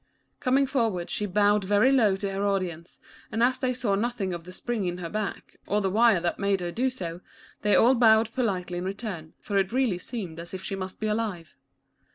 Coming forward she bowed very low to her audience, and as they saw nothing of the spring in her back, or the wire that made her do so, they all bowed politely in return, for it really seemed as if she must be alive.